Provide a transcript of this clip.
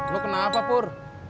lo kenapa pur